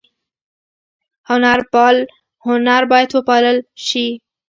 هنر باید وپال ل شي